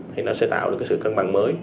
thì nó sẽ tạo được sự cân bằng mới